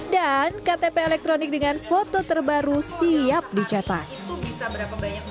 dan ktp elektronik dengan foto terbaru siap dicetak